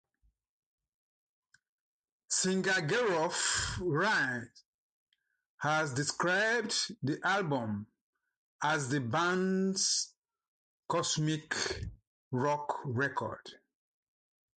Singer Gruff Rhys has described the album as the band's "cosmic rock record".